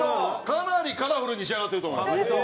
かなりカラフルに仕上がってると思います。